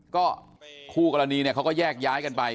ก็คู่กรณีเนี่ยเขาก็แยกย้ายกันไป